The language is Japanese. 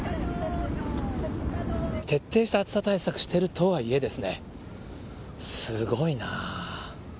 徹底した暑さ対策してるとはいえですね、すごいな。